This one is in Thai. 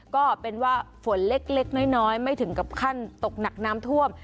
ก็เป็นว่าฝนเล็กน้อยไม่ถึงกับขั้นตกหนักน้ำท่วม